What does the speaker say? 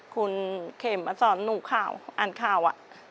คุณเขมมาสอนหนูข่าวอ่านข่าว